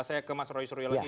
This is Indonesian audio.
saya ke mas roy suryo lagi